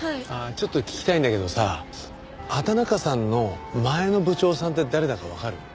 ちょっと聞きたいんだけどさ畑中さんの前の部長さんって誰だかわかる？